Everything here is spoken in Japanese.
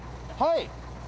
はい！